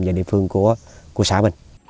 và địa phương của xã mình